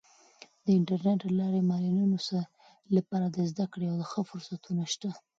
د انټرنیټ له لارې د معلولینو لپاره د زده کړې او ښه فرصتونه سته.